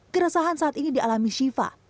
keresahan saat ini dialami shiva